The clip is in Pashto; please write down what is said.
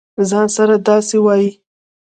ځـان سره داسې وایې.